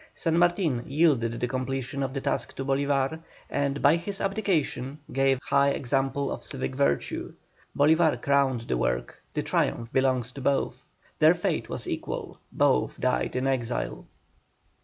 San Martin yielded the completion of the task to Bolívar, and by his abdication gave a high example of civic virtue. Bolívar crowned the work; the triumph belongs to both. Their fate was equal, both died in exile.